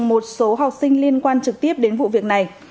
một số học sinh liên quan trực tiếp đến vụ việc này